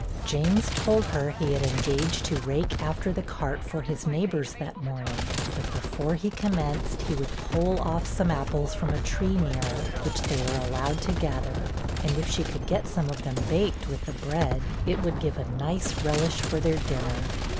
James told her he had engaged to rake after the cart for his neighbors that morning; but before he commenced, he would pole off some apples from a tree near, which they were allowed to gather; and if she could get some of them baked with the bread, it would give a nice relish for their dinner.